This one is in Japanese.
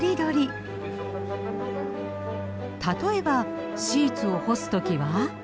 例えばシーツを干す時は？